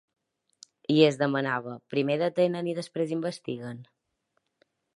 I es demanava: ‘Primer detenen i després investiguen?’